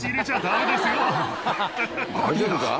大丈夫か？